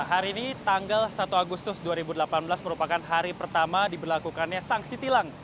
hari ini tanggal satu agustus dua ribu delapan belas merupakan hari pertama diberlakukannya sanksi tilang